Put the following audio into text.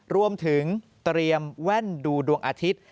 รวมถึงเตรียมแว่นดูดวงอาทิตย์